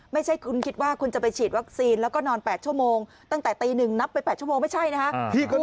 ไม่ใช่คุณคิดว่าคุณจะไปฉีดวัคซีนแล้วก็นอน๘ชั่วโมงตั้งแต่ตี๑นับไป๘ชั่วโมงไม่ใช่นะฮะ